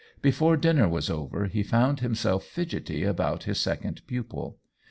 Before dinner was over he found himself fidgetty about his second pupil.